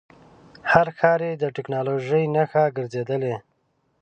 هر ښار یې د ټکنالوژۍ نښه ګرځېدلی.